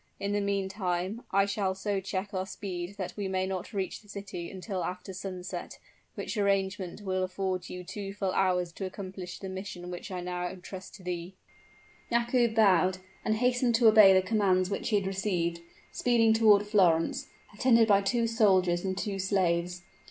In the meantime, I shall so check our speed that we may not reach the city until after sunset, which arrangement will afford you two full hours to accomplish the mission which I now trust to thee." Yakoub bowed, and hastened to obey the commands which he had received speeding toward Florence, attended by two soldiers and two slaves.